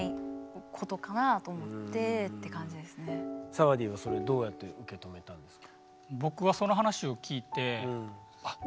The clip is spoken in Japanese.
サワディーはそれどうやって受け止めたんですか？